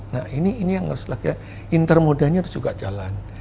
nah ini yang harus lagi intermodanya harus juga jalan